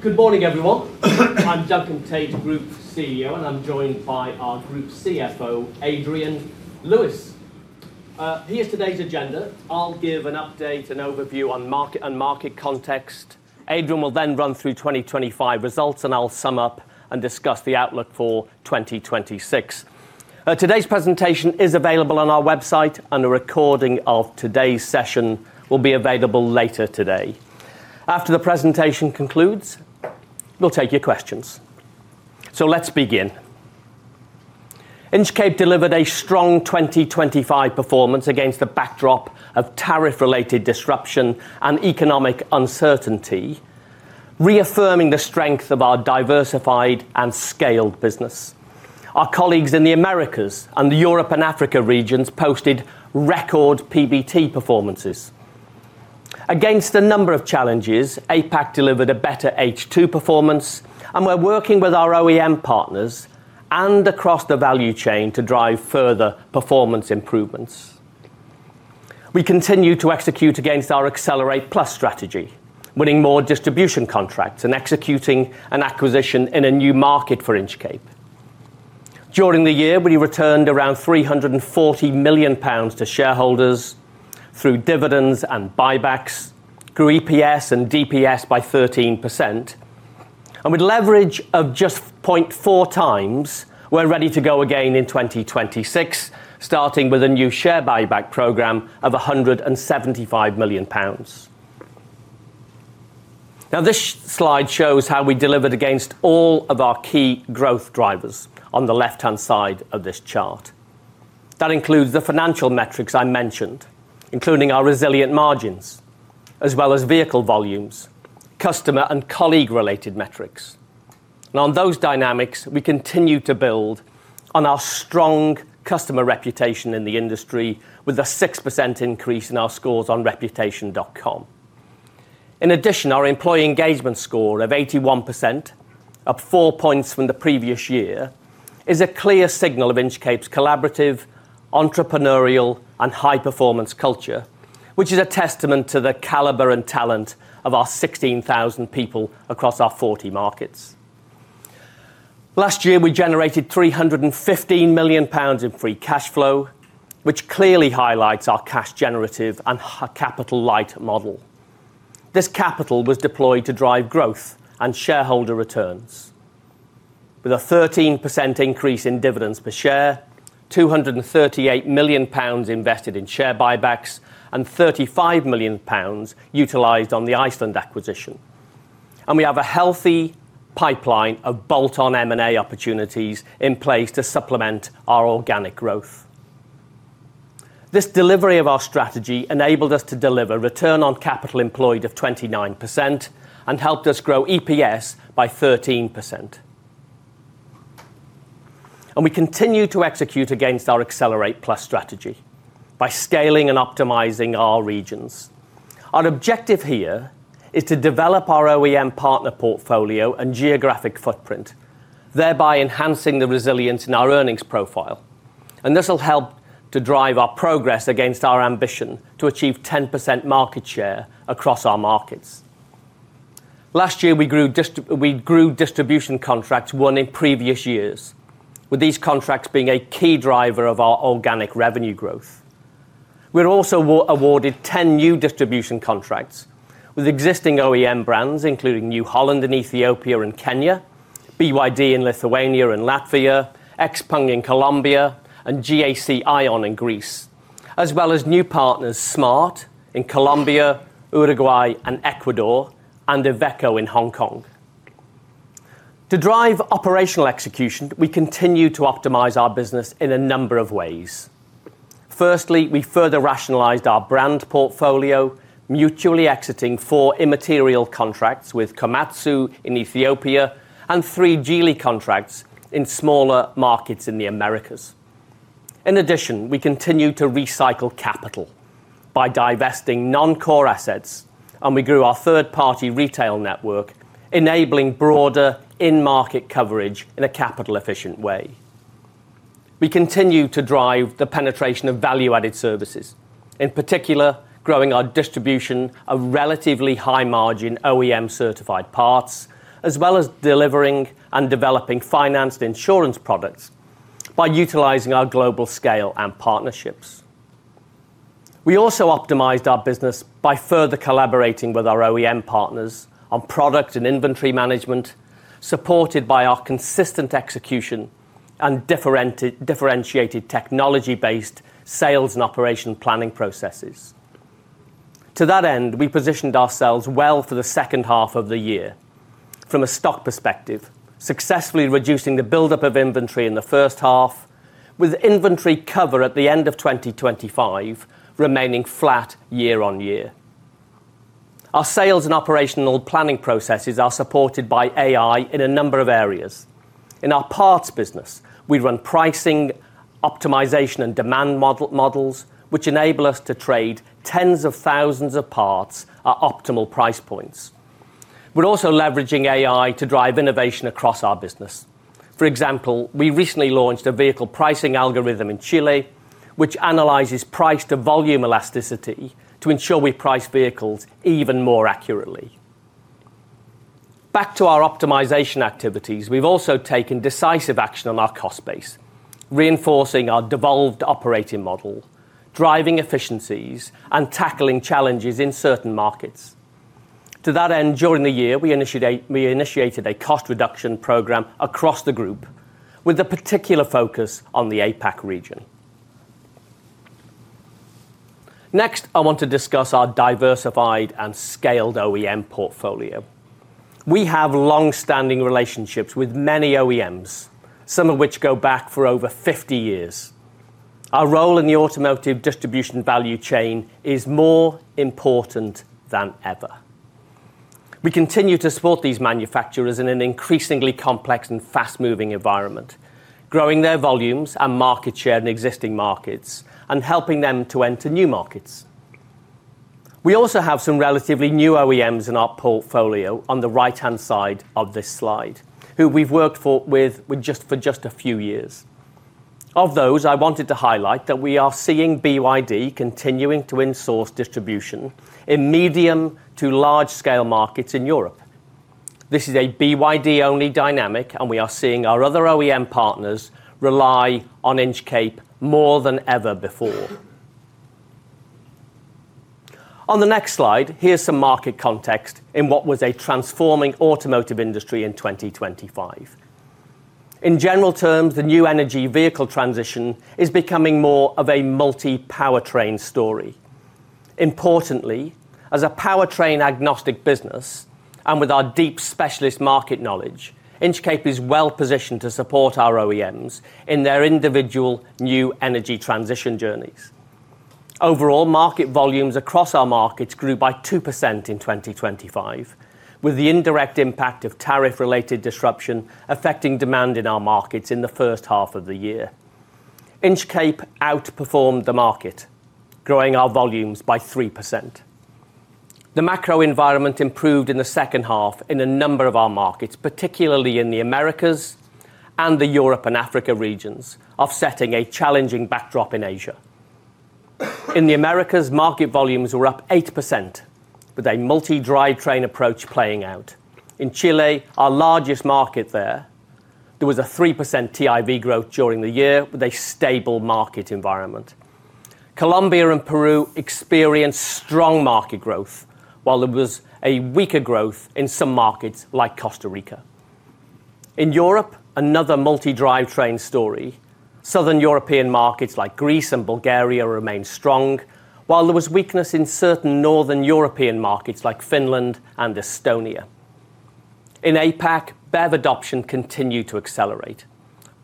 Good morning, everyone. I'm Duncan Tait, Group CEO, and I'm joined by our Group CFO, Adrian Lewis. Here's today's agenda. I'll give an update and overview on market and market context. Adrian will then run through 2025 results. I'll sum up and discuss the outlook for 2026. Today's presentation is available on our website, and a recording of today's session will be available later today. After the presentation concludes, we'll take your questions. Let's begin. Inchcape delivered a strong 2025 performance against the backdrop of tariff-related disruption and economic uncertainty, reaffirming the strength of our diversified and scaled business. Our colleagues in the Americas and the Europe and Africa regions posted record PBT performances. Against a number of challenges, APAC delivered a better H2 performance, and we're working with our OEM partners and across the value chain to drive further performance improvements. We continue to execute against our Accelerate+ strategy, winning more distribution contracts and executing an acquisition in a new market for Inchcape. During the year, we returned around 340 million pounds to shareholders through dividends and buybacks, grew EPS and DPS by 13%. With leverage of just 0.4x, we're ready to go again in 2026, starting with a new share buyback program of 175 million pounds. Now, this slide shows how we delivered against all of our key growth drivers on the left-hand side of this chart. That includes the financial metrics I mentioned, including our resilient margins as well as vehicle volumes, customer and colleague-related metrics. On those dynamics, we continue to build on our strong customer reputation in the industry with a 6% increase in our scores on Reputation.com. In addition, our employee engagement score of 81%, up four points from the previous year, is a clear signal of Inchcape's collaborative, entrepreneurial, and high-performance culture, which is a testament to the caliber and talent of our 16,000 people across our 40 markets. Last year, we generated 315 million pounds in free cash flow, which clearly highlights our cash generative and capital-light model. This capital was deployed to drive growth and shareholder returns. With a 13% increase in dividends per share, 238 million pounds invested in share buybacks, and 35 million pounds utilized on the Iceland acquisition. We have a healthy pipeline of bolt-on M&A opportunities in place to supplement our organic growth. This delivery of our strategy enabled us to deliver return on capital employed of 29% and helped us grow EPS by 13%. We continue to execute against our Accelerate+ strategy by scaling and optimizing our regions. Our objective here is to develop our OEM partner portfolio and geographic footprint, thereby enhancing the resilience in our earnings profile. This will help to drive our progress against our ambition to achieve 10% market share across our markets. Last year, we grew distribution contracts won in previous years, with these contracts being a key driver of our organic revenue growth. We were also awarded 10 new distribution contracts with existing OEM brands, including New Holland in Ethiopia and Kenya, BYD in Lithuania and Latvia, XPENG in Colombia, and GAC AION in Greece, as well as new partners smart in Colombia, Uruguay, and Ecuador, and Iveco in Hong Kong. To drive operational execution, we continue to optimize our business in a number of ways. We further rationalized our brand portfolio, mutually exiting four immaterial contracts with Komatsu in Ethiopia and three Geely contracts in smaller markets in the Americas. We continue to recycle capital by divesting non-core assets, and we grew our third-party retail network, enabling broader in-market coverage in a capital efficient way. We continue to drive the penetration of value-added services, in particular, growing our distribution of relatively high margin OEM certified parts, as well as delivering and developing financed insurance products by utilizing our global scale and partnerships. We also optimized our business by further collaborating with our OEM partners on product and inventory management, supported by our consistent execution and differentiated technology-based sales and operations planning processes. To that end, we positioned ourselves well for the second half of the year from a stock perspective, successfully reducing the buildup of inventory in the first half with inventory cover at the end of 2025 remaining flat year-over-year. Our sales and operations planning processes are supported by AI in a number of areas. In our parts business, we run pricing, optimization, and demand models, which enable us to trade tens of thousands of parts at optimal price points. We're also leveraging AI to drive innovation across our business. For example, we recently launched a vehicle pricing algorithm in Chile, which analyzes price to volume elasticity to ensure we price vehicles even more accurately. Back to our optimization activities. We've also taken decisive action on our cost base, reinforcing our devolved operating model, driving efficiencies, and tackling challenges in certain markets. To that end, during the year, we initiated a cost reduction program across the group with a particular focus on the APAC region. I want to discuss our diversified and scaled OEM portfolio. We have long-standing relationships with many OEMs, some of which go back for over 50 years. Our role in the automotive distribution value chain is more important than ever. We continue to support these manufacturers in an increasingly complex and fast-moving environment, growing their volumes and market share in existing markets and helping them to enter new markets. We also have some relatively new OEMs in our portfolio on the right-hand side of this slide, who we've worked with for just a few years. I wanted to highlight that we are seeing BYD continuing to insource distribution in medium to large-scale markets in Europe. This is a BYD-only dynamic. We are seeing our other OEM partners rely on Inchcape more than ever before. On the next slide, here's some market context in what was a transforming automotive industry in 2025. In general terms, the new energy vehicle transition is becoming more of a multi-powertrain story. Importantly, as a powertrain-agnostic business, and with our deep specialist market knowledge, Inchcape is well positioned to support our OEMs in their individual new energy transition journeys. Overall, market volumes across our markets grew by 2% in 2025, with the indirect impact of tariff-related disruption affecting demand in our markets in the first half of the year. Inchcape outperformed the market, growing our volumes by 3%. The macro environment improved in the second half in a number of our markets, particularly in the Americas and the Europe and Africa regions, offsetting a challenging backdrop in Asia. In the Americas, market volumes were up 8%, with a multi-drivetrain approach playing out. In Chile, our largest market there was a 3% TIV growth during the year with a stable market environment. Colombia and Peru experienced strong market growth, while there was a weaker growth in some markets like Costa Rica. In Europe, another multi-drivetrain story. Southern European markets like Greece and Bulgaria remained strong, while there was weakness in certain Northern European markets like Finland and Estonia. In APAC, BEV adoption continued to accelerate,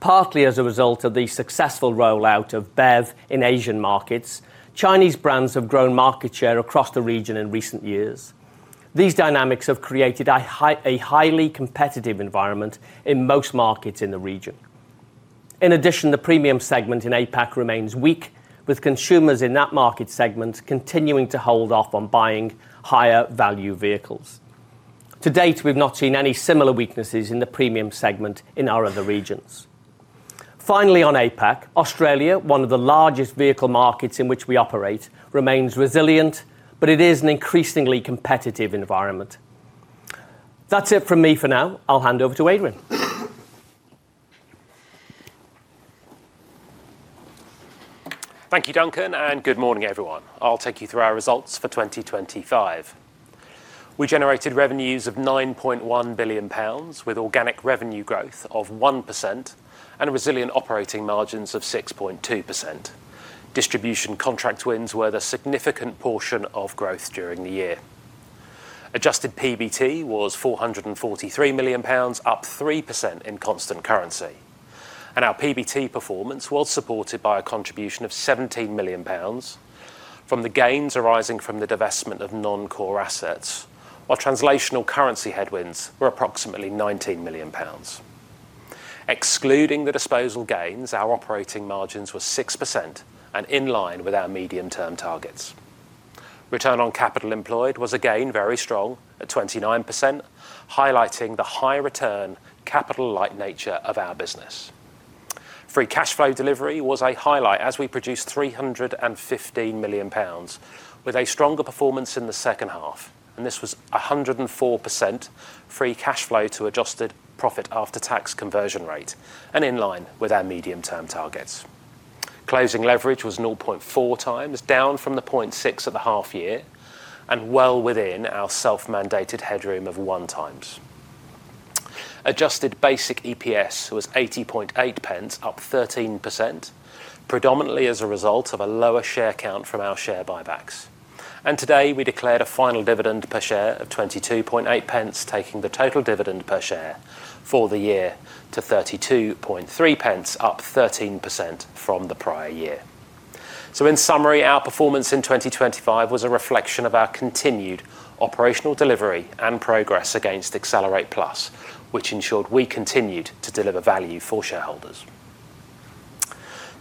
partly as a result of the successful rollout of BEV in Asian markets. Chinese brands have grown market share across the region in recent years. These dynamics have created a highly competitive environment in most markets in the region. The premium segment in APAC remains weak, with consumers in that market segment continuing to hold off on buying higher value vehicles. To date, we've not seen any similar weaknesses in the premium segment in our other regions. On APAC, Australia, one of the largest vehicle markets in which we operate, remains resilient, but it is an increasingly competitive environment. That's it from me for now. I'll hand over to Adrian. Thank you, Duncan. Good morning, everyone. I'll take you through our results for 2025. We generated revenues of 9.1 billion pounds, with organic revenue growth of 1% and resilient operating margins of 6.2%. Distribution contract wins were the significant portion of growth during the year. Adjusted PBT was 443 million pounds, up 3% in constant currency. Our PBT performance was supported by a contribution of 17 million pounds from the gains arising from the divestment of non-core assets, while translational currency headwinds were approximately 19 million pounds. Excluding the disposal gains, our operating margins were 6% and in line with our medium-term targets. Return on capital employed was again very strong at 29%, highlighting the high return capital light nature of our business. Free cash flow delivery was a highlight as we produced 315 million pounds with a stronger performance in the second half. This was a 104% free cash flow to adjusted profit after tax conversion rate and in line with our medium-term targets. Closing leverage was 0.4x, down from 0.6x at the half year and well within our self-mandated headroom of 1x. Adjusted basic EPS was 0.808, up 13%, predominantly as a result of a lower share count from our share buybacks. Today we declared a final dividend per share of 0.228, taking the total dividend per share for the year to 0.323, up 13% from the prior year. In summary, our performance in 2025 was a reflection of our continued operational delivery and progress against Accelerate+, which ensured we continued to deliver value for shareholders.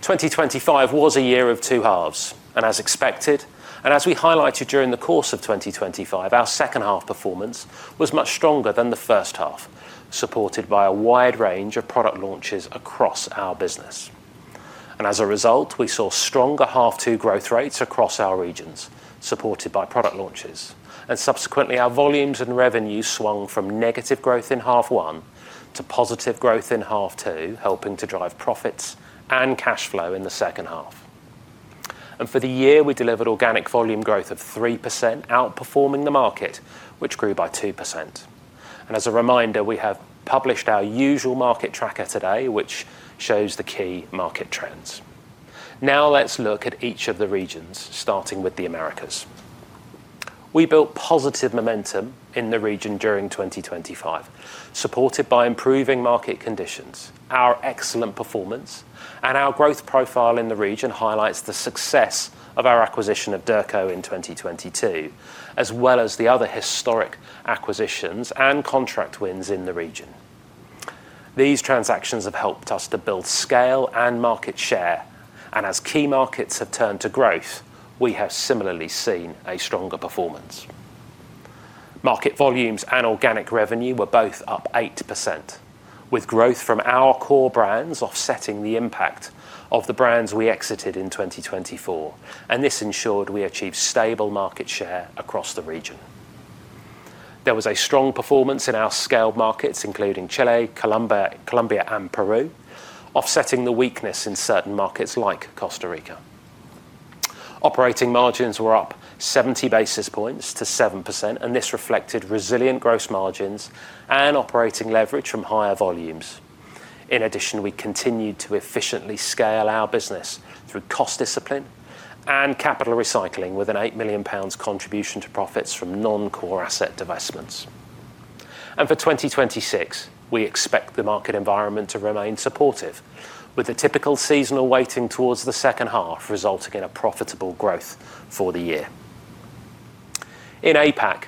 2025 was a year of two halves, and as expected, and as we highlighted during the course of 2025, our second half performance was much stronger than the first half, supported by a wide range of product launches across our business. As a result, we saw stronger half two growth rates across our regions, supported by product launches. Subsequently, our volumes and revenue swung from negative growth in H1 to positive growth in H2, helping to drive profits and cash flow in the second half. For the year, we delivered organic volume growth of 3%, outperforming the market, which grew by 2%. As a reminder, we have published our usual market tracker today, which shows the key market trends. Now let's look at each of the regions, starting with the Americas. We built positive momentum in the region during 2025, supported by improving market conditions, our excellent performance, and our growth profile in the region highlights the success of our acquisition of Derco in 2022, as well as the other historic acquisitions and contract wins in the region. These transactions have helped us to build scale and market share. As key markets have turned to growth, we have similarly seen a stronger performance. Market volumes and organic revenue were both up 8%, with growth from our core brands offsetting the impact of the brands we exited in 2024. This ensured we achieved stable market share across the region. There was a strong performance in our scaled markets, including Chile, Colombia and Peru, offsetting the weakness in certain markets like Costa Rica. Operating margins were up 70 basis points to 7%, this reflected resilient gross margins and operating leverage from higher volumes. In addition, we continued to efficiently scale our business through cost discipline and capital recycling with a 8 million pounds contribution to profits from non-core asset divestments. For 2026, we expect the market environment to remain supportive, with a typical seasonal weighting towards the second half resulting in a profitable growth for the year. In APAC,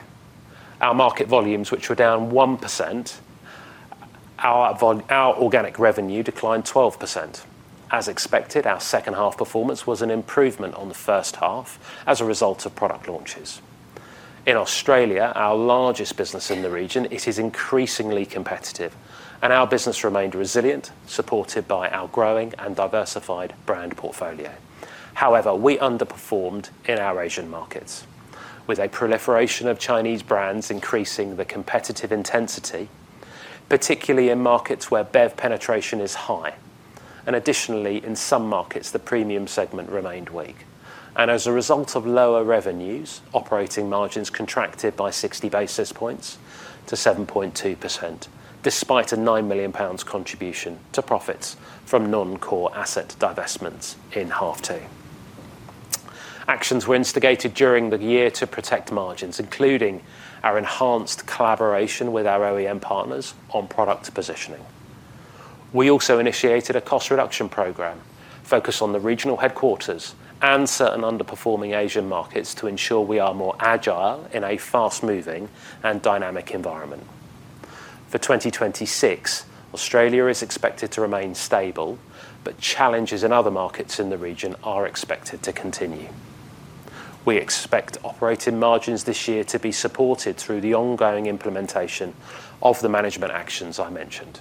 our market volumes, which were down 1%, our organic revenue declined 12%. As expected, our second half performance was an improvement on the first half as a result of product launches. In Australia, our largest business in the region, it is increasingly competitive and our business remained resilient, supported by our growing and diversified brand portfolio. However, we underperformed in our Asian markets with a proliferation of Chinese brands increasing the competitive intensity, particularly in markets where BEV penetration is high. Additionally, in some markets, the premium segment remained weak. As a result of lower revenues, operating margins contracted by 60 basis points to 7.2%, despite a 9 million pounds contribution to profits from non-core asset divestments in H2. Actions were instigated during the year to protect margins, including our enhanced collaboration with our OEM partners on product positioning. We also initiated a cost reduction program focused on the regional headquarters and certain underperforming Asian markets to ensure we are more agile in a fast-moving and dynamic environment. For 2026, Australia is expected to remain stable, challenges in other markets in the region are expected to continue. We expect operating margins this year to be supported through the ongoing implementation of the management actions I mentioned.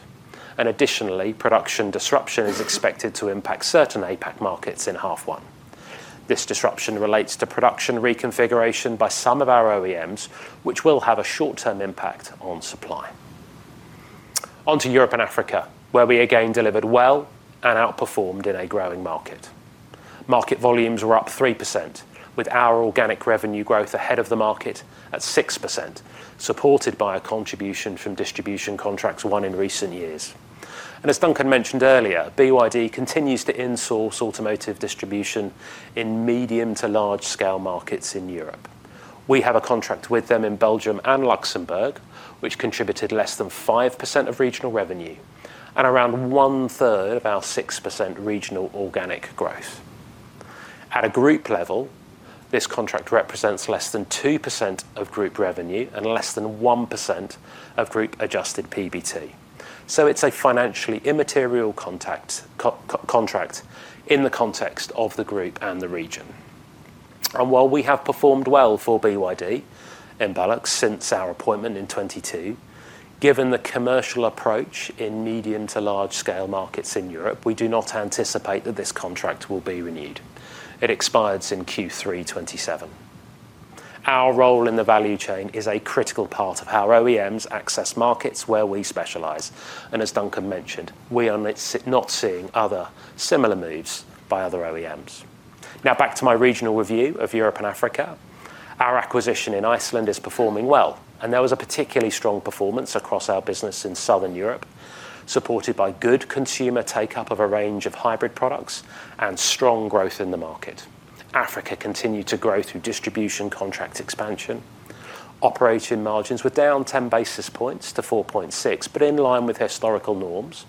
Additionally, production disruption is expected to impact certain APAC markets in H1. This disruption relates to production reconfiguration by some of our OEMs, which will have a short-term impact on supply. On to Europe and Africa, where we again delivered well and outperformed in a growing market. Market volumes were up 3%, with our organic revenue growth ahead of the market at 6%, supported by a contribution from distribution contracts won in recent years. As Duncan mentioned earlier, BYD continues to insource automotive distribution in medium to large-scale markets in Europe. We have a contract with them in Belgium and Luxembourg, which contributed less than 5% of regional revenue and around one-third of our 6% regional organic growth. At a group level, this contract represents less than 2% of group revenue and less than 1% of group adjusted PBT. It's a financially immaterial contract in the context of the group and the region. While we have performed well for BYD in BeLux since our appointment in 2022, given the commercial approach in medium to large-scale markets in Europe, we do not anticipate that this contract will be renewed. It expires in Q3 2027. Our role in the value chain is a critical part of how OEMs access markets where we specialize. As Duncan mentioned, we are not seeing other similar moves by other OEMs. Now back to my regional review of Europe and Africa. Our acquisition in Iceland is performing well, and there was a particularly strong performance across our business in Southern Europe, supported by good consumer take-up of a range of hybrid products and strong growth in the market. Africa continued to grow through distribution contract expansion. Operating margins were down 10 basis points to 4.6%, but in line with historical norms,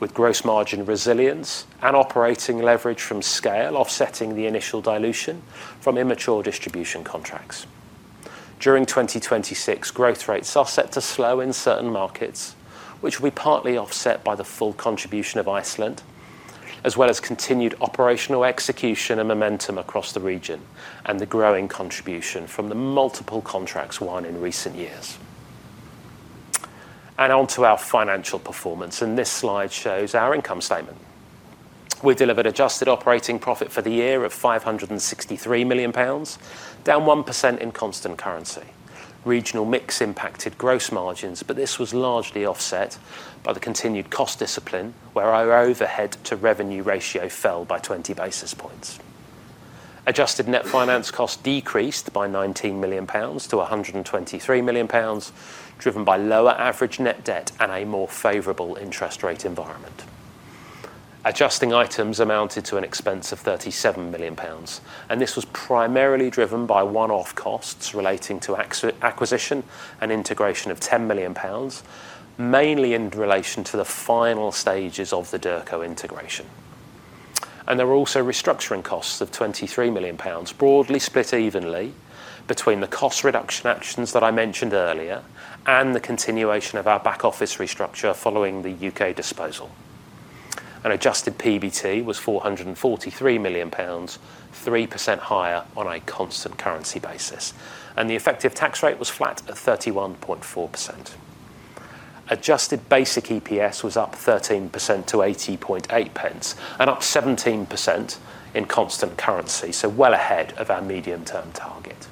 with gross margin resilience and operating leverage from scale offsetting the initial dilution from immature distribution contracts. During 2026, growth rates are set to slow in certain markets, which will be partly offset by the full contribution of Iceland, as well as continued operational execution and momentum across the region, and the growing contribution from the multiple contracts won in recent years. On to our financial performance, and this slide shows our income statement. We delivered adjusted operating profit for the year of 563 million pounds, down 1% in constant currency. Regional mix impacted gross margins, this was largely offset by the continued cost discipline where our overhead to revenue ratio fell by 20 basis points. Adjusted net finance costs decreased by 19 million pounds to 123 million pounds, driven by lower average net debt and a more favorable interest rate environment. Adjusting items amounted to an expense of 37 million pounds, this was primarily driven by one-off costs relating to acquisition and integration of 10 million pounds, mainly in relation to the final stages of the Derco integration. There were also restructuring costs of 23 million pounds, broadly split evenly between the cost reduction actions that I mentioned earlier and the continuation of our back office restructure following the U.K. disposal. An adjusted PBT was 443 million pounds, 3% higher on a constant currency basis, and the effective tax rate was flat at 31.4%. Adjusted basic EPS was up 13% to 80.8 pence and up 17% in constant currency, so well ahead of our medium-term target.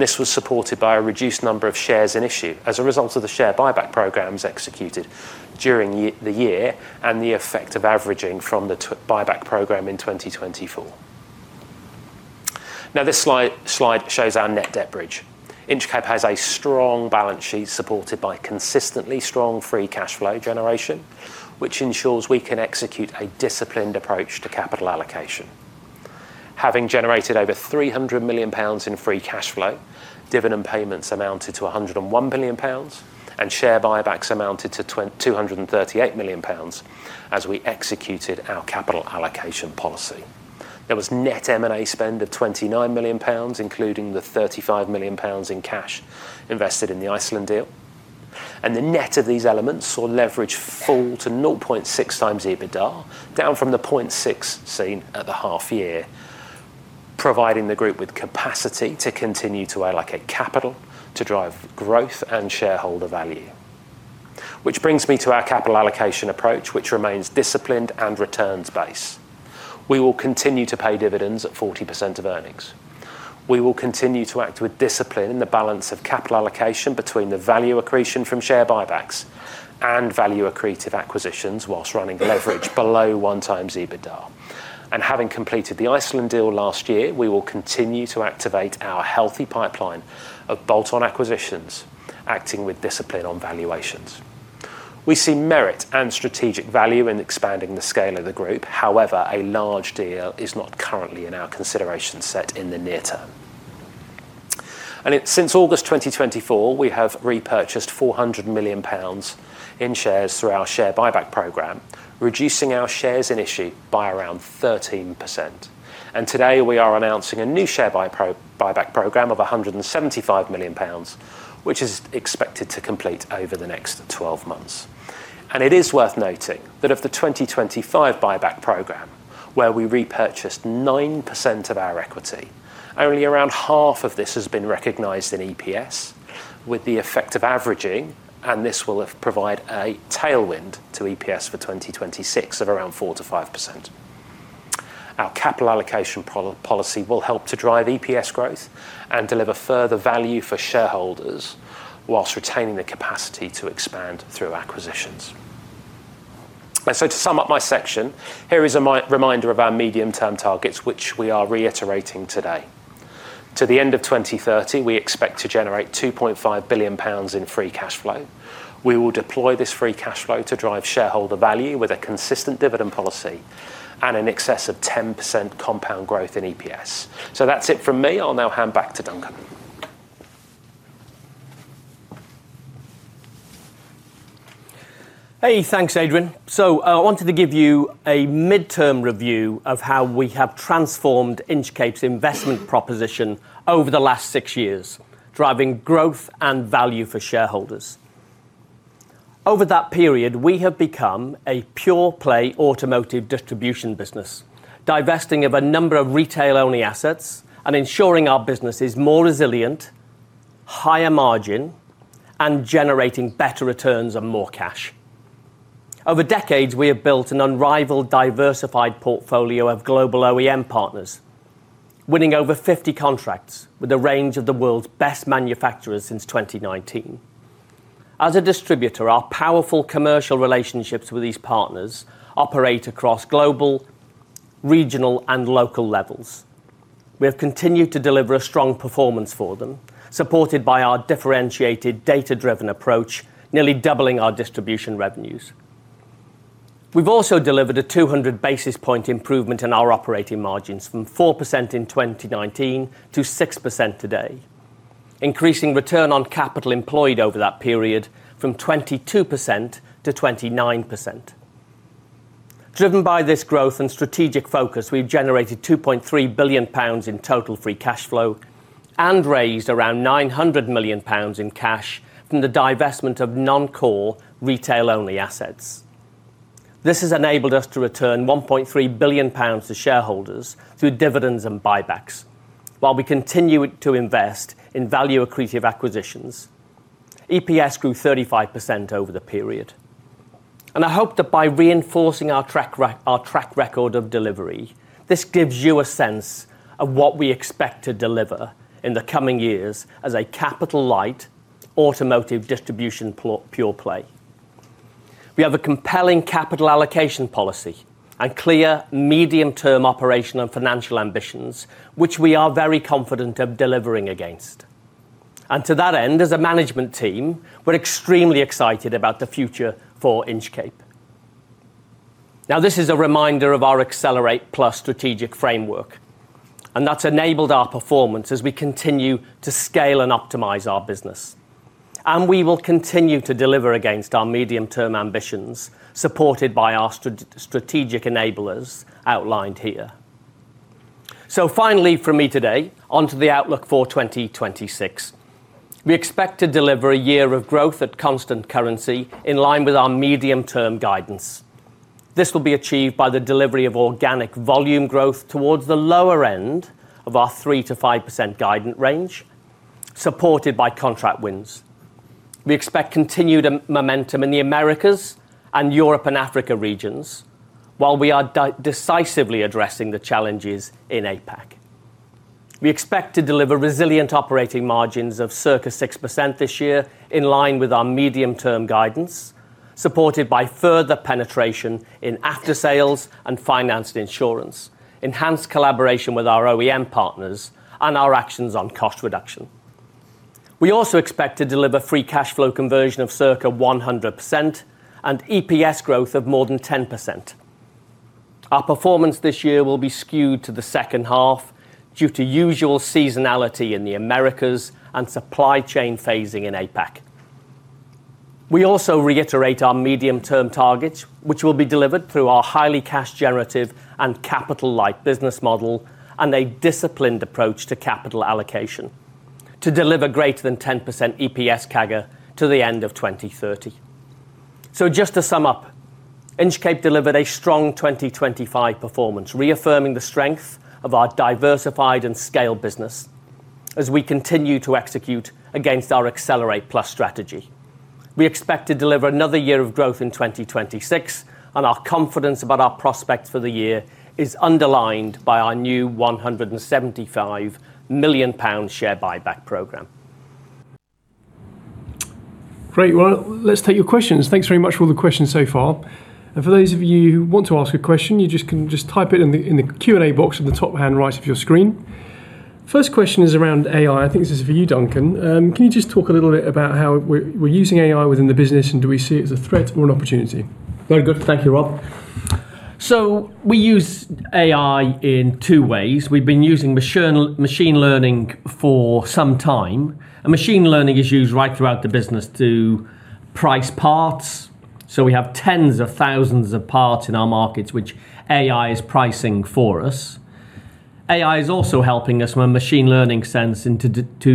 This was supported by a reduced number of shares in issue as a result of the share buyback programs executed during the year and the effect of averaging from the buyback program in 2024. Now this slide shows our net debt bridge. Inchcape has a strong balance sheet supported by consistently strong free cash flow generation, which ensures we can execute a disciplined approach to capital allocation. Having generated over 300 million pounds in free cash flow, dividend payments amounted to 101 million pounds, and share buybacks amounted to 238 million pounds as we executed our capital allocation policy. There was net M&A spend of 29 million pounds, including the 35 million pounds in cash invested in the Askja deal. The net of these elements saw leverage fall to 0.6x EBITDA, down from the 0.6x seen at the half year, providing the group with capacity to continue to allocate capital to drive growth and shareholder value. Which brings me to our capital allocation approach, which remains disciplined and returns-based. We will continue to pay dividends at 40% of earnings. We will continue to act with discipline in the balance of capital allocation between the value accretion from share buybacks and value accretive acquisitions whilst running leverage below 1x EBITDA. Having completed the Iceland deal last year, we will continue to activate our healthy pipeline of bolt-on acquisitions, acting with discipline on valuations. We see merit and strategic value in expanding the scale of the group. However, a large deal is not currently in our consideration set in the near term. Since August 2024, we have repurchased 400 million pounds in shares through our share buyback program, reducing our shares in issue by around 13%. Today, we are announcing a new share buyback program of 175 million pounds, which is expected to complete over the next 12 months. It is worth noting that of the 2025 buyback program, where we repurchased 9% of our equity, only around half of this has been recognized in EPS with the effect of averaging, and this will have provide a tailwind to EPS for 2026 of around 4%-5%. Our capital allocation policy will help to drive EPS growth and deliver further value for shareholders whilst retaining the capacity to expand through acquisitions. To sum up my section, here is a reminder of our medium-term targets, which we are reiterating today. To the end of 2030, we expect to generate 2.5 billion pounds in free cash flow. We will deploy this free cash flow to drive shareholder value with a consistent dividend policy and in excess of 10% compound growth in EPS. That's it from me. I'll now hand back to Duncan. Hey, thanks, Adrian. I wanted to give you a midterm review of how we have transformed Inchcape's investment proposition over the last six years, driving growth and value for shareholders. Over that period, we have become a pure-play automotive distribution business, divesting of a number of retail-only assets and ensuring our business is more resilient, higher margin, and generating better returns and more cash. Over decades, we have built an unrivaled, diversified portfolio of global OEM partners, winning over 50 contracts with a range of the world's best manufacturers since 2019. As a distributor, our powerful commercial relationships with these partners operate across global, regional, and local levels. We have continued to deliver a strong performance for them, supported by our differentiated data-driven approach, nearly doubling our distribution revenues. We've also delivered a 200 basis point improvement in our operating margins from 4% in 2019 to 6% today, increasing return on capital employed over that period from 22% to 29%. Driven by this growth and strategic focus, we've generated 2.3 billion pounds in total free cash flow and raised around 900 million pounds in cash from the divestment of non-core retail-only assets. This has enabled us to return 1.3 billion pounds to shareholders through dividends and buybacks, while we continue to invest in value accretive acquisitions. EPS grew 35% over the period. I hope that by reinforcing our track record of delivery, this gives you a sense of what we expect to deliver in the coming years as a capital light automotive distribution pure play. We have a compelling capital allocation policy and clear medium-term operational financial ambitions, which we are very confident of delivering against. To that end, as a management team, we're extremely excited about the future for Inchcape. Now, this is a reminder of our Accelerate+ strategic framework, that's enabled our performance as we continue to scale and optimize our business. We will continue to deliver against our medium-term ambitions, supported by our strategic enablers outlined here. Finally for me today, onto the outlook for 2026. We expect to deliver a year of growth at constant currency in line with our medium-term guidance. This will be achieved by the delivery of organic volume growth towards the lower end of our 3%-5% guidance range, supported by contract wins. We expect continued momentum in the Americas and Europe and Africa regions, while we are decisively addressing the challenges in APAC. We expect to deliver resilient operating margins of circa 6% this year, in line with our medium-term guidance, supported by further penetration in aftersales and finance and insurance, enhanced collaboration with our OEM partners, and our actions on cost reduction. We also expect to deliver free cash flow conversion of circa 100% and EPS growth of more than 10%. Our performance this year will be skewed to the second half due to usual seasonality in the Americas and supply chain phasing in APAC. We also reiterate our medium-term targets, which will be delivered through our highly cash generative and capital light business model and a disciplined approach to capital allocation to deliver greater than 10% EPS CAGR to the end of 2030. Just to sum up, Inchcape delivered a strong 2025 performance, reaffirming the strength of our diversified and scaled business as we continue to execute against our Accelerate+ strategy. We expect to deliver another year of growth in 2026, our confidence about our prospects for the year is underlined by our new 175 million pounds share buyback program. Great. Well, let's take your questions. Thanks very much for all the questions so far. For those of you who want to ask a question, you can just type it in the Q&A box at the top-hand right of your screen. First question is around AI. I think this is for you, Duncan. Can you just talk a little bit about how we're using AI within the business, and do we see it as a threat or an opportunity? Very good. Thank you, Rob. We use AI in two ways. We've been using machine learning for some time. Machine learning is used right throughout the business to price parts. We have tens of thousands of parts in our markets which AI is pricing for us. AI is also helping us with machine learning sense and to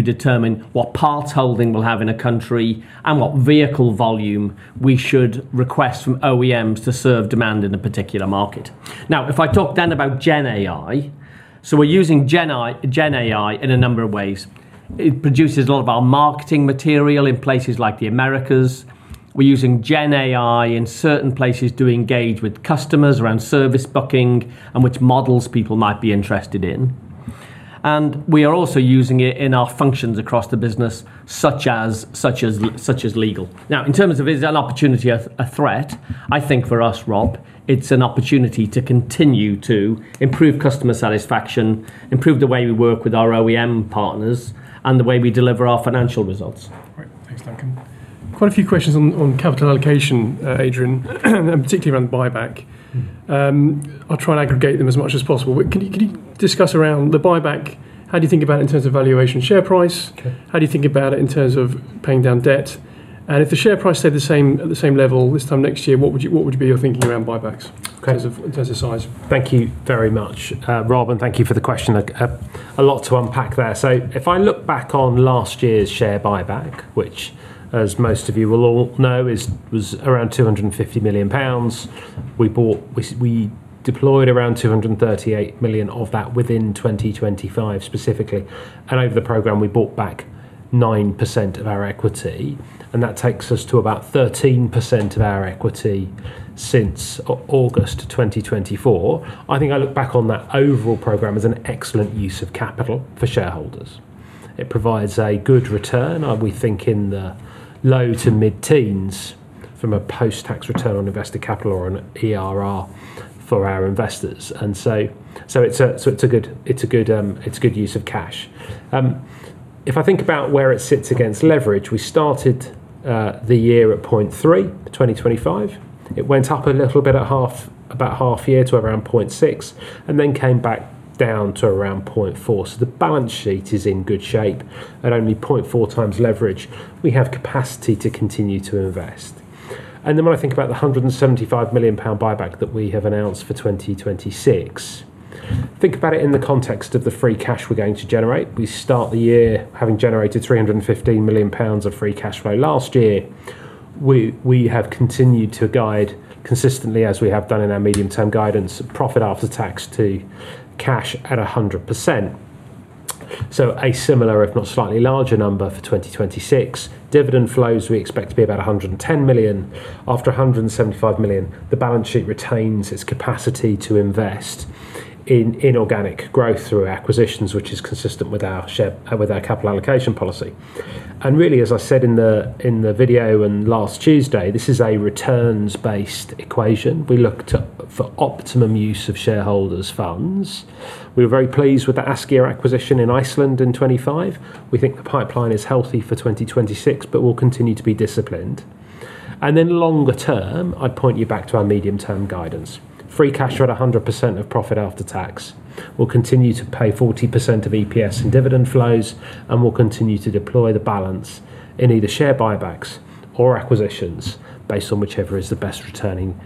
determine what part holding we'll have in a country and what vehicle volume we should request from OEMs to serve demand in a particular market. Now, if I talk then about GenAI. We're using GenAI in a number of ways. It produces a lot of our marketing material in places like the Americas. We're using GenAI in certain places to engage with customers around service booking and which models people might be interested in. We are also using it in our functions across the business such as legal. Now, in terms of is it an opportunity or a threat, I think for us, Rob, it's an opportunity to continue to improve customer satisfaction, improve the way we work with our OEM partners, and the way we deliver our financial results. Great. Thanks, Duncan. Quite a few questions on capital allocation, Adrian, and particularly around buyback. I'll try and aggregate them as much as possible. Can you discuss around the buyback? How do you think about it in terms of valuation share price? Okay. How do you think about it in terms of paying down debt? If the share price stayed the same, at the same level this time next year, what would be your thinking around buybacks in terms of, in terms of size? Thank you very much, Rob, and thank you for the question. A lot to unpack there. If I look back on last year's share buyback, which as most of you will all know was around 250 million pounds. We deployed around 238 million of that within 2025 specifically. Over the program, we bought back 9% of our equity, and that takes us to about 13% of our equity since August 2024. I think I look back on that overall program as an excellent use of capital for shareholders. It provides a good return, we think in the low-to-mid teens from a post-tax return on invested capital or an IRR for our investors. So it's a good use of cash. If I think about where it sits against leverage, we started the year at 0.3x, 2025. It went up a little bit about half year to around 0.6x, and then came back down to around 0.4x. So the balance sheet is in good shape. At only 0.4x leverage, we have capacity to continue to invest. When I think about the 175 million pound buyback that we have announced for 2026, think about it in the context of the free cash we're going to generate. We start the year having generated 315 million pounds of free cash flow last year. We have continued to guide consistently, as we have done in our medium-term guidance, profit after tax to cash at 100%. A similar, if not slightly larger number for 2026. Dividend flows, we expect to be about 110 million. After 175 million, the balance sheet retains its capacity to invest in organic growth through acquisitions, which is consistent with our capital allocation policy. Really, as I said in the video and last Tuesday, this is a returns-based equation. We look for optimum use of shareholders' funds. We were very pleased with the Askja acquisition in Iceland in 2025. We think the pipeline is healthy for 2026, but we'll continue to be disciplined. Longer term, I'd point you back to our medium-term guidance. Free cash at 100% of profit after tax. We'll continue to pay 40% of EPS in dividend flows, and we'll continue to deploy the balance in either share buybacks or acquisitions based on whichever is the best returning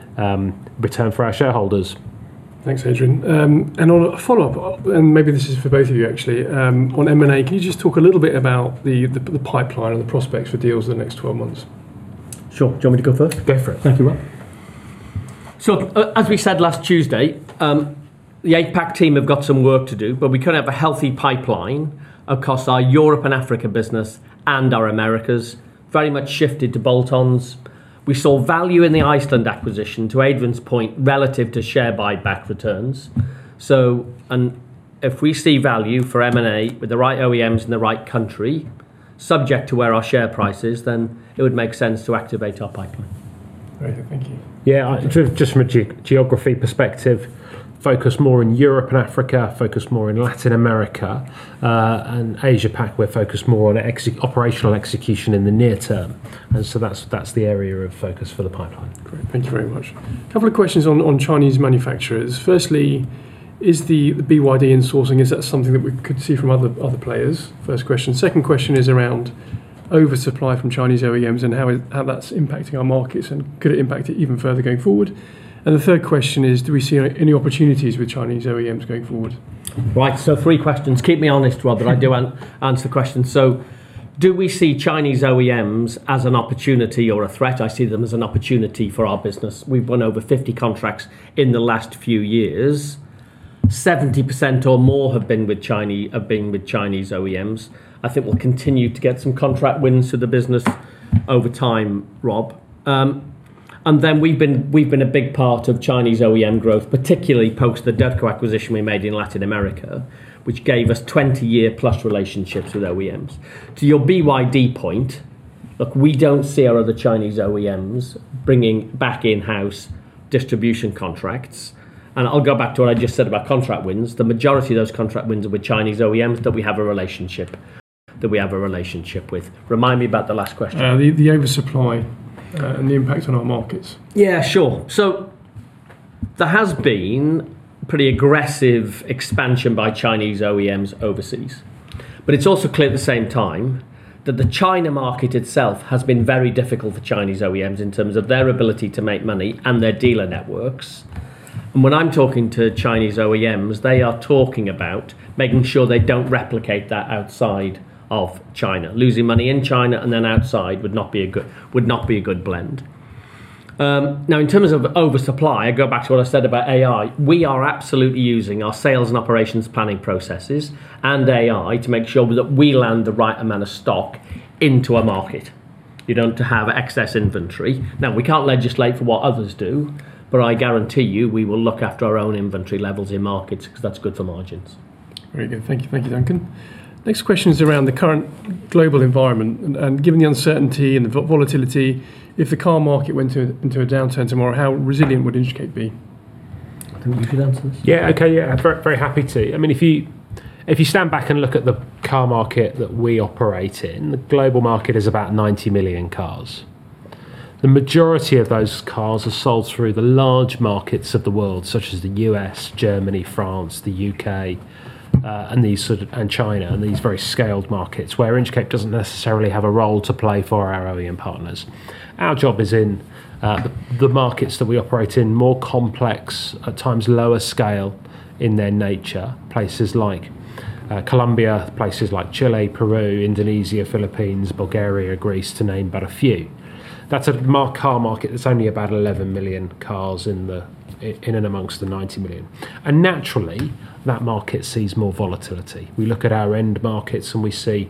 return for our shareholders. Thanks, Adrian. On a follow-up, and maybe this is for both of you actually. On M&A, can you just talk a little bit about the, the pipeline and the prospects for deals in the next 12 months? Sure. Do you want me to go first? Go for it. Thank you, Rob. As we said last Tuesday, the APAC team have got some work to do, but we kind of have a healthy pipeline across our Europe and Africa business and our Americas. Very much shifted to bolt-ons. We saw value in the Iceland acquisition, to Adrian's point, relative to share buyback returns. If we see value for M&A with the right OEMs in the right country, subject to where our share price is, then it would make sense to activate our pipeline. Very good, thank you. Yeah. Just from a geography perspective, focus more in Europe and Africa, focus more in Latin America. Asia Pac, we're focused more on operational execution in the near term. That's the area of focus for the pipeline. Great. Thank you very much. Couple of questions on Chinese manufacturers. Firstly, is the BYD insourcing, is that something that we could see from other players? First question. Second question is around oversupply from Chinese OEMs and how that's impacting our markets and could it impact it even further going forward. The third question is, do we see any opportunities with Chinese OEMs going forward? Right. 3 questions. Keep me honest, Rob, that I do answer the question. Do we see Chinese OEMs as an opportunity or a threat? I see them as an opportunity for our business. We've won over 50 contracts in the last few years. 70% or more have been with Chinese OEMs. I think we'll continue to get some contract wins to the business over time, Rob. We've been a big part of Chinese OEM growth, particularly post the Derco acquisition we made in Latin America, which gave us 20-year plus relationships with OEMs. To your BYD point, look, we don't see our other Chinese OEMs bringing back in-house distribution contracts. I'll go back to what I just said about contract wins. The majority of those contract wins are with Chinese OEMs that we have a relationship with. Remind me about the last question. The, the oversupply, and the impact on our markets. Yeah, sure. There has been pretty aggressive expansion by Chinese OEMs overseas. It's also clear at the same time that the China market itself has been very difficult for Chinese OEMs in terms of their ability to make money and their dealer networks. When I'm talking to Chinese OEMs, they are talking about making sure they don't replicate that outside of China. Losing money in China and then outside would not be a good blend. In terms of oversupply, I go back to what I said about AI. We are absolutely using our sales and operations planning processes and AI to make sure that we land the right amount of stock into a market. You don't have excess inventory. We can't legislate for what others do, but I guarantee you, we will look after our own inventory levels in markets because that's good for margins. Very good. Thank you. Thank you, Duncan. Next question is around the current global environment. Given the uncertainty and the volatility, if the car market went into a downturn tomorrow, how resilient would Inchcape be? I think you could answer this. Yeah, okay. Yeah. Very, very happy to. I mean, if you, if you stand back and look at the car market that we operate in, the global market is about 90 million cars. The majority of those cars are sold through the large markets of the world, such as the U.S., Germany, France, the U.K., and these sort of and China, and these very scaled markets where Inchcape doesn't necessarily have a role to play for our OEM partners. Our job is in the markets that we operate in, more complex, at times lower scale in their nature. Places like Colombia, places like Chile, Peru, Indonesia, Philippines, Bulgaria, Greece, to name but a few. That's a car market that's only about 11 million cars in and amongst the 90 million. Naturally, that market sees more volatility. We look at our end markets, and we see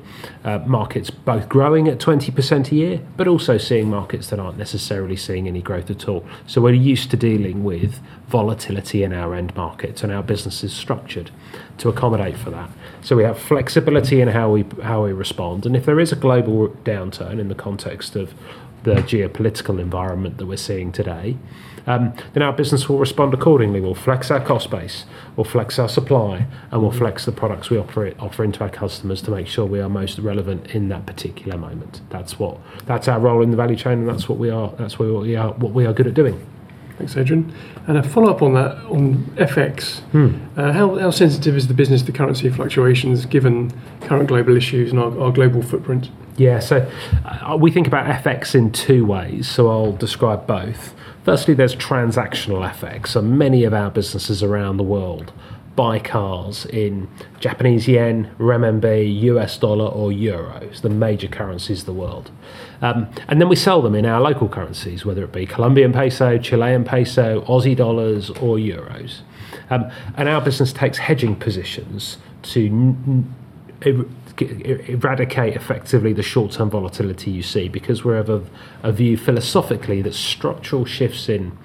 markets both growing at 20% a year, but also seeing markets that aren't necessarily seeing any growth at all. We're used to dealing with volatility in our end markets, and our business is structured to accommodate for that. We have flexibility in how we, how we respond. If there is a global downturn in the context of the geopolitical environment that we're seeing today, then our business will respond accordingly. We'll flex our cost base, we'll flex our supply, and we'll flex the products we offer into our customers to make sure we are most relevant in that particular moment. That's our role in the value chain, and that's what we are what we are good at doing. Thanks, Adrian. A follow-up on that. On FX, how sensitive is the business to currency fluctuations given current global issues and our global footprint? We think about FX in two ways. I'll describe both. Firstly, there's transactional FX. Many of our businesses around the world buy cars in Japanese yen, renminbi, US dollar, or euros, the major currencies of the world. Then we sell them in our local currencies, whether it be Colombian peso, Chilean peso, Aussie dollars, or euros. Our business takes hedging positions to eradicate effectively the short-term volatility you see, because we're of a view philosophically that structural shifts in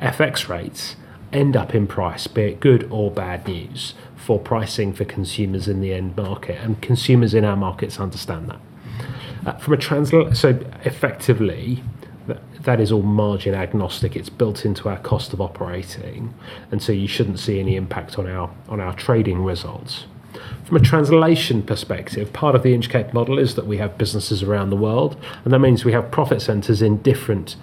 FX rates end up in price, be it good or bad news, for pricing for consumers in the end market, and consumers in our markets understand that. From a transla- Effectively, that is all margin agnostic. It's built into our cost of operating, so you shouldn't see any impact on our trading results. From a translation perspective, part of the Inchcape model is that we have businesses around the world, and that means we have profit centers in different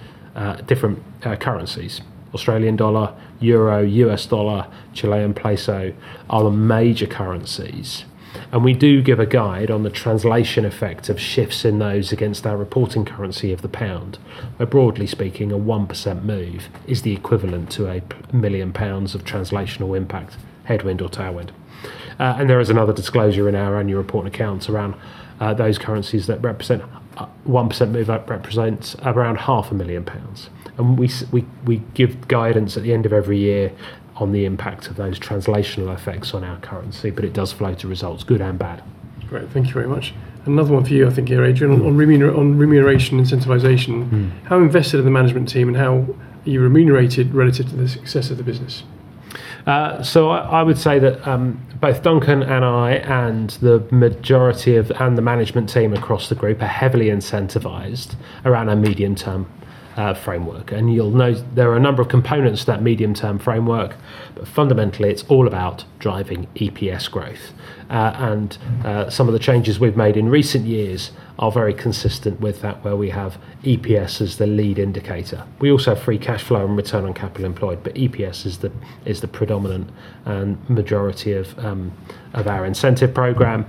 different currencies. Australian dollar, euro, U.S. dollar, Chilean peso are the major currencies. We do give a guide on the translation effect of shifts in those against our reporting currency of the pound, where broadly speaking, a 1% move is the equivalent to 1 million pounds of translational impact, headwind or tailwind. There is another disclosure in our annual report and accounts around those currencies that represent a 1% move, that represents around 500,000 pounds. We give guidance at the end of every year on the impact of those translational effects on our currency, but it does flow to results, good and bad. Great. Thank you very much. Another one for you, I think here, Adrian on remuneration incentivization, how invested are the management team and how are you remunerated relative to the success of the business? I would say that both Duncan and I, and the majority of, and the management team across the group are heavily incentivized around our medium-term framework. You'll note there are a number of components to that medium-term framework, but fundamentally it's all about driving EPS growth. Some of the changes we've made in recent years are very consistent with that, where we have EPS as the lead indicator. We also have free cash flow and return on capital employed, but EPS is the predominant and majority of our incentive program.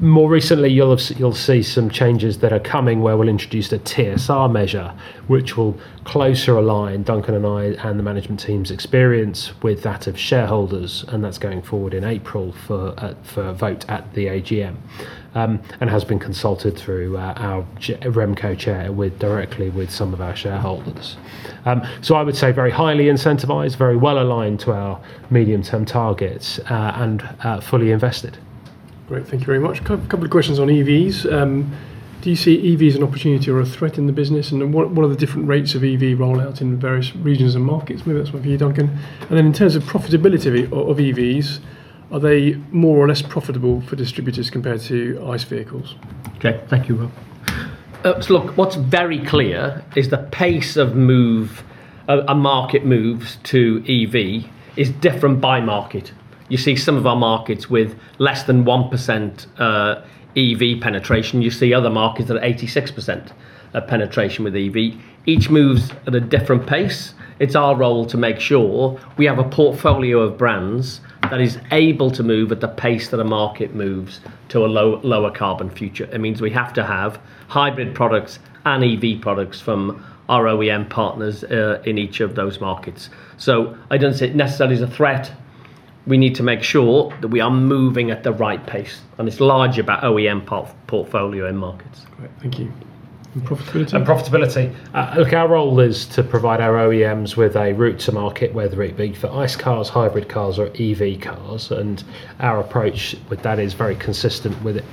More recently, you'll see some changes that are coming where we'll introduce a TSR measure, which will closer align Duncan and I, and the management team's experience with that of shareholders. That's going forward in April for a vote at the AGM and has been consulted through our RemCo chair with directly with some of our shareholders. I would say very highly incentivized, very well aligned to our medium-term targets and fully invested. Great. Thank you very much. Couple of questions on EVs. Do you see EVs an opportunity or a threat in the business, and then what are the different rates of EV rollout in the various regions and markets? Maybe that's one for you, Duncan. Then in terms of profitability of EVs, are they more or less profitable for distributors compared to ICE vehicles? Okay. Thank you, Will. What's very clear is the pace of move, of a market move to EV is different by market. You see some of our markets with less than 1% EV penetration. You see other markets that are 86% penetration with EV. Each moves at a different pace. It's our role to make sure we have a portfolio of brands that is able to move at the pace that a market moves to a lower carbon future. It means we have to have hybrid products and EV products from our OEM partners in each of those markets. I don't see it necessarily as a threat. We need to make sure that we are moving at the right pace, and it's largely about OEM portfolio end markets. Great. Thank you. Profitability? Profitability. Look, our role is to provide our OEMs with a route to market, whether it be for ICE cars, hybrid cars, or EV cars, and our approach with that is very consistent with,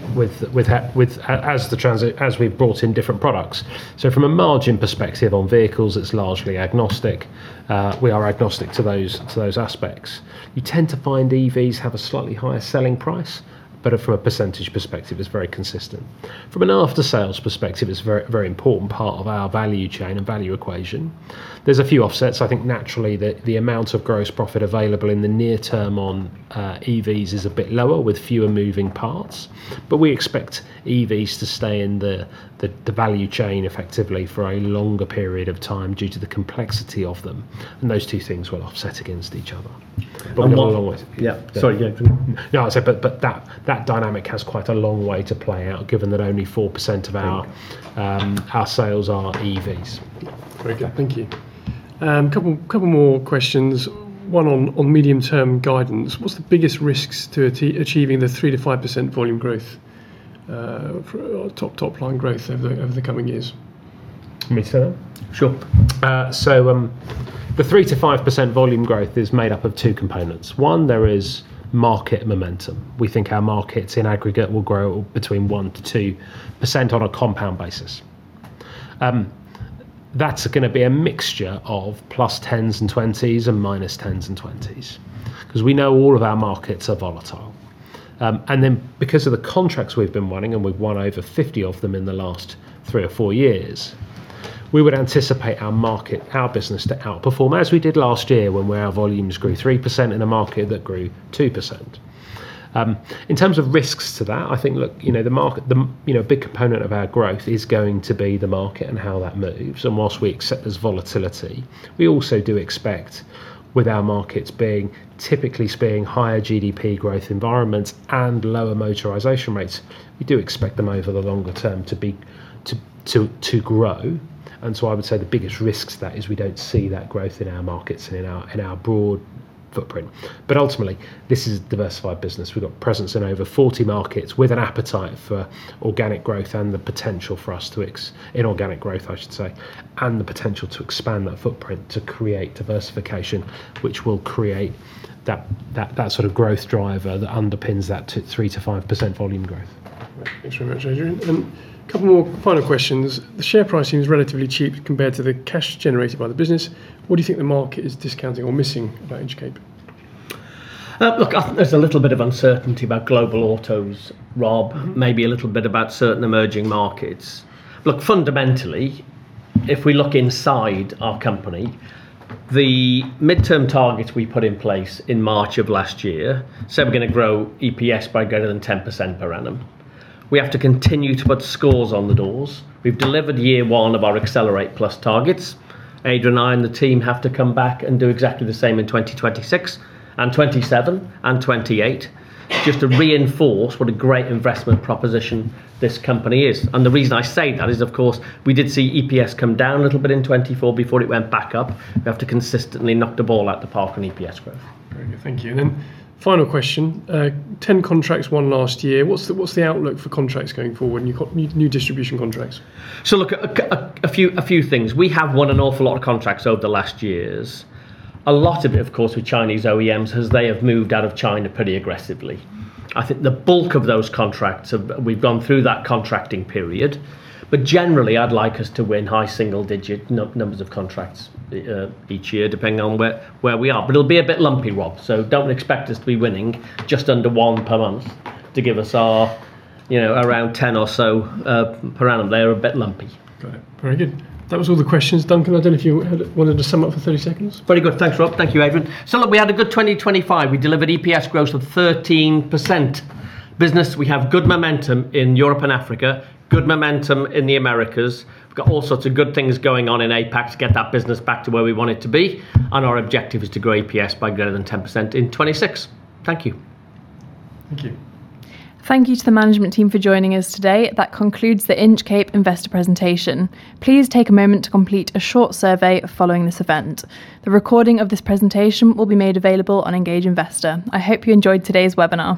as we've brought in different products. From a margin perspective on vehicles, it's largely agnostic. We are agnostic to those aspects. You tend to find EVs have a slightly higher selling price, but from a percentage perspective it's very consistent. From an aftersales perspective, it's a very important part of our value chain and value equation. There's a few offsets. I think naturally the amount of gross profit available in the near term on EVs is a bit lower with fewer moving parts, but we expect EVs to stay in the value chain effectively for a longer period of time due to the complexity of them, and those two things will offset against each other. One last- Yeah. Sorry, go ahead. No, I was saying but that dynamic has quite a long way to play out given that only 4% of our sales are EVs. Very good. Thank you. Couple more questions, one on medium-term guidance. What's the biggest risks to achieving the 3%-5% volume growth, for or top-line growth over the, over the coming years? Me to take that? Sure. The 3%-5% volume growth is made up of two components. One, there is market momentum. We think our markets in aggregate will grow between 1%-2% on a compound basis. That's gonna be a mixture of +10s and +20s and -10s and -20s, 'cause we know all of our markets are volatile. And then because of the contracts we've been winning, and we've won over 50 of them in the last 3 or 4 years, we would anticipate our market, our business to outperform, as we did last year when, where our volumes grew 3% in a market that grew 2%. In terms of risks to that, I think, look, you know, the market, you know, big component of our growth is going to be the market and how that moves, and whilst we accept there's volatility, we also do expect with our markets being typically seeing higher GDP growth environments and lower motorization rates, we do expect them over the longer term to grow. I would say the biggest risk to that is we don't see that growth in our markets and in our broad footprint. Ultimately, this is a diversified business. We've got presence in over 40 markets with an appetite for organic growth and the potential for us to Inorganic growth, I should say, and the potential to expand that footprint to create diversification, which will create that sort of growth driver that underpins 3%-5% volume growth. Thanks very much, Adrian. Couple more final questions. The share pricing is relatively cheap compared to the cash generated by the business. What do you think the market is discounting or missing about Inchcape? Look, I think there's a little bit of uncertainty about global autos, Rob. Mm-hmm. Maybe a little bit about certain emerging markets. Look, fundamentally, if we look inside our company, the midterm targets we put in place in March of last year, said we're gonna grow EPS by greater than 10% per annum. We have to continue to put scores on the doors. We've delivered year one of our Accelerate+ targets. Adrian and I and the team have to come back and do exactly the same in 2026, and 2027, and 2028, just to reinforce what a great investment proposition this company is. The reason I say that is, of course, we did see EPS come down a little bit in 2024 before it went back up. We have to consistently knock the ball out the park on EPS growth. Very good. Thank you. Final question. 10 contracts won last year. What's the outlook for contracts going forward? You've got new distribution contracts. Look, a few things. We have won an awful lot of contracts over the last years. A lot of it, of course, with Chinese OEMs as they have moved out of China pretty aggressively. We've gone through that contracting period. Generally, I'd like us to win high single-digit numbers of contracts each year, depending on where we are. It'll be a bit lumpy, Rob. Don't expect us to be winning just under 1 per month to give us our, you know, around 10 or so per annum. They are a bit lumpy. Got it. Very good. That was all the questions. Duncan, I don't know if you had, wanted to sum up for 30 seconds. Very good. Thanks, Rob. Thank you, Adrian. Look, we had a good 2025. We delivered EPS growth of 13%. Business, we have good momentum in Europe and Africa, good momentum in the Americas. We've got all sorts of good things going on in APAC to get that business back to where we want it to be, and our objective is to grow EPS by greater than 10% in 2026. Thank you. Thank you. Thank you to the management team for joining us today. That concludes the Inchcape Investor Presentation. Please take a moment to complete a short survey following this event. The recording of this presentation will be made available on Engage Investor. I hope you enjoyed today's webinar.